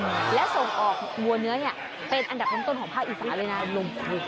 และส่งออกบัวเนื้อเป็นอันดับต้นของภาคอีสานเลยนะลงทุกข์